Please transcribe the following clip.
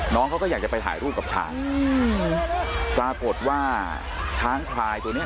น้องเขาก็อยากจะไปถ่ายรูปกับช้างอืมปรากฏว่าช้างพลายตัวเนี้ย